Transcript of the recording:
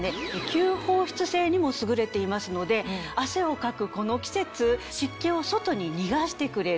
吸放湿性にも優れていますので汗をかくこの季節湿気を外に逃がしてくれる。